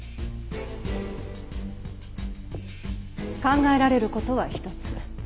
考えられることは一つ。